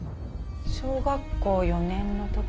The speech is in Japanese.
小学校４年の時。